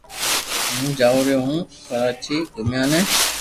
ھون جاوُ رھيو ھون ڪراچو گومياني